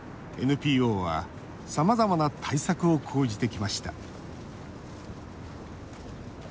ＮＰＯは、さまざまな対策を講じてきました。